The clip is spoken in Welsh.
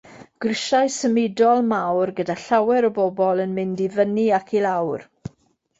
Grisiau symudol mawr gyda llawer o bobl yn mynd i fyny ac i lawr.